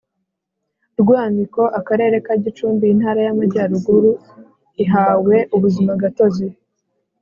Rwamiko Akarere ka Gicumbi Intara y Amajyaruguru ihawe ubuzimagatozi